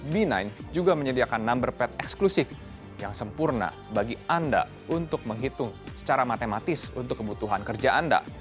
b sembilan juga menyediakan number path eksklusif yang sempurna bagi anda untuk menghitung secara matematis untuk kebutuhan kerja anda